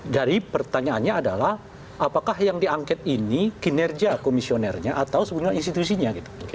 dari pertanyaannya adalah apakah yang diangket ini kinerja komisionernya atau sebenarnya institusinya gitu